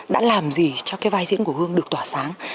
đã làm gì cho cái vai diễn của hương được tỏa sáng